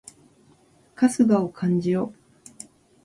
春日を感じろ！